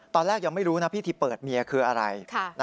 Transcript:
ตอนแรกยังไม่รู้นะพิธีเปิดเมียคืออะไร